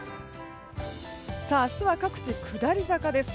明日は各地、下り坂です。